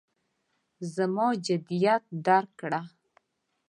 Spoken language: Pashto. زما جدیت یې درک کړ.